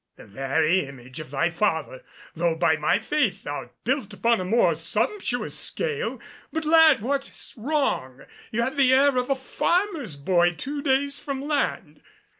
"The very image of thy father though, by my faith, thou'rt built upon a more sumptuous scale. But, lad, what's wrong? You've the air of a farmer's boy two days from land."